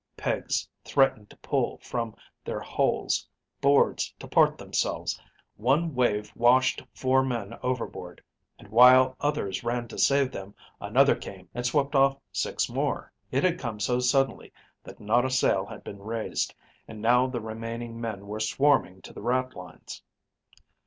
Pegs threatened to pull from their holes, boards to part themselves; one wave washed four men overboard; and while others ran to save them, another came and swept off six more. It had come so suddenly that not a sail had been raised, and now the remaining men were swarming to the ratlines.